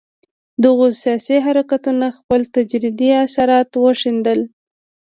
دغو سیاسي حرکتونو خپل تدریجي اثرات وښندل.